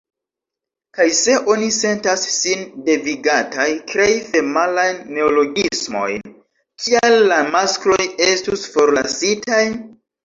Kaj se oni sentas sin devigataj krei femalajn neologismojn, kial la maskloj estus forlasitaj?